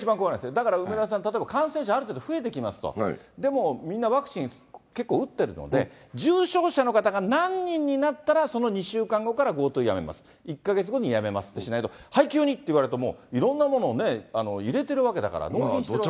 だから梅沢さん、感染者ある程度増えてきますと、でもみんなワクチン結構打ってるので、重症者の方が何人になったら、その２週間後からＧｏＴｏやめます、１か月後にやめますってしないと、はい、急にって言われると、いろんなものをね、入れてるわけだから、納品してるし。